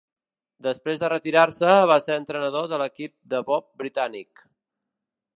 Després de retirar-se, va ser entrenador de l'equip de bob britànic.